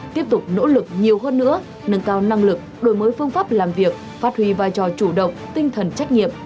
tiếp tục nỗ lực nhiều hơn nữa nâng cao năng lực đổi mới phương pháp làm việc phát huy vai trò chủ động tinh thần trách nhiệm